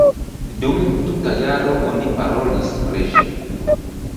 Dum tuta jaro oni parolis pri ĝi.